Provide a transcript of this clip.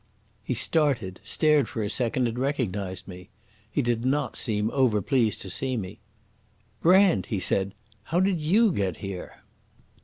He started, stared for a second, and recognised me. He did not seem over pleased to see me. "Brand!" he cried. "How did you get here?"